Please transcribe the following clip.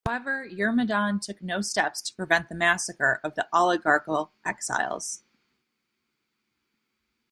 However, Eurymedon took no steps to prevent the massacre of the oligarchical exiles.